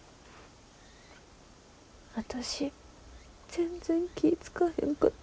私全然気ぃ付か